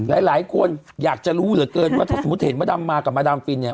หลายคนอยากจะรู้เหลือเกินว่าถ้าสมมุติเห็นพระดำมากับมาดามฟินเนี่ย